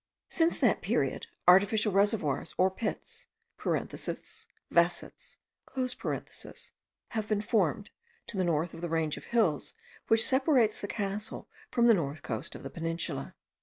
Since that period, artificial reservoirs, or pits, (vasets,) have been formed, to the north of the range of hills which separates the castle from the north coast of the peninsula.